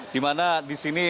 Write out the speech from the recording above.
di mana di sini